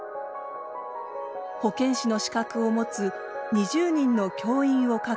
保健師の資格を持つ２０人の教員を確保。